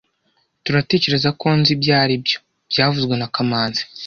turatekerezako nzi ibyo aribyo byavuzwe na kamanzi